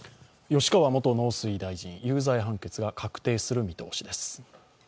吉川元農水大臣、有罪判決が確定する見通しです。